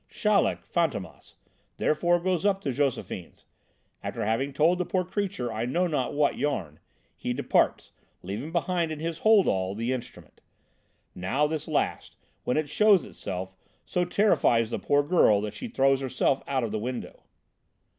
"Chaleck, Fantômas, therefore, goes up to Josephine's. After having told the poor creature I know not what yarn, he departs, leaving behind in his hold all, the instrument. Now this last, when it shows itself, so terrifies the poor girl that she throws herself out of the window."